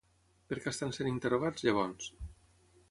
Per què estan sent interrogats, llavors?